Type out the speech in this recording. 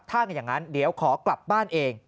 ถ้าเป็นอย่างนั้นเดี๋ยวขอกลับบ้านเอง